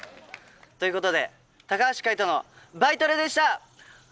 ということで橋海人の「バイトレ」でした！